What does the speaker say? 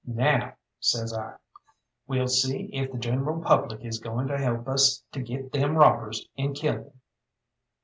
"Now," says I, "we'll see if the general public is going to help us to get them robbers and kill them."